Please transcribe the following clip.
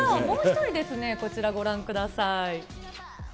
もう１人ですね、こちらご覧ください。